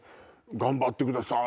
頑張ってください！